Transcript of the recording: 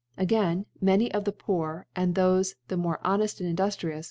Again, many of the Poor, aid thofe the more honed and induftrious